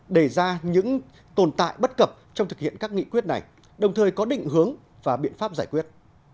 để ra những tồn tại bất cập trong thực hiện các nghị quyết này đồng thời có định hướng và biện pháp giải quyết